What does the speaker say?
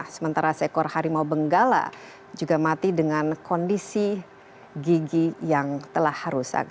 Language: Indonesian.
sementara seekor harimau benggala juga mati dengan kondisi gigi yang telah rusak